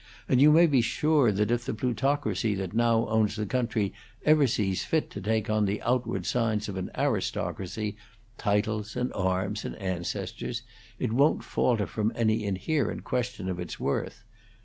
And you may be sure that if the plutocracy that now owns the country ever sees fit to take on the outward signs of an aristocracy titles, and arms, and ancestors it won't falter from any inherent question of its worth.